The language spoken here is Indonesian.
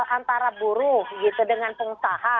antara buruh dengan pengusaha